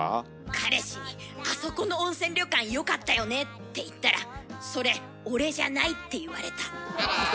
彼氏に「あそこの温泉旅館よかったよね」って言ったら「それ俺じゃない」って言われた。